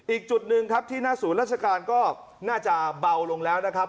อีกจุดหนึ่งครับที่หน้าศูนย์ราชการก็น่าจะเบาลงแล้วนะครับ